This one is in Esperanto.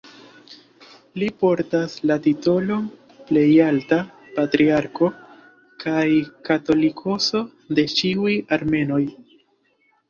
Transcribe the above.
Li portas la titolon "Plejalta Patriarko kaj Katolikoso de ĉiuj Armenoj".